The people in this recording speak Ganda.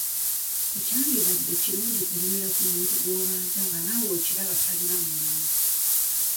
Tekyandibadde kirungi kulemera ku muntu gw'obanja nga naawe okiraba talina mulimu.